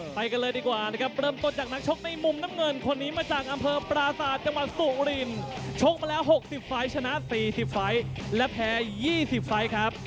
ไปกันเลยดีกว่าครับเริ่มต้นจากนักชกในมุมน้ำงึ่นคนนี้มาจากอำเพราะประศาจจังหวัดสุรินชกมาแล้วหกสิบไฟต์ชนะสี่สิบไฟต์แล้วแพ้ยี่สิบไฟต์ครับ